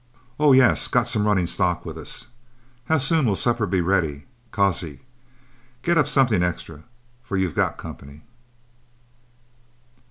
Oh, yes, got some running stock with us. How soon will supper be ready, cusi? Get up something extra, for you've got company."